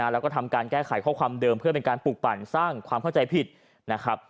แล้วก็ทำการแก้ไขข้อความเดิมเพื่อเป็นการปลูกปั่นสร้างความเข้าใจผิดนะครับ